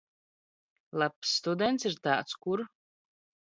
Labs students ir t?ds, kur